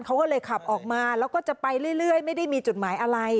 เขาก็เลยขับออกมาแล้วก็จะไปเรื่อยไม่ได้มีจุดหมายอะไร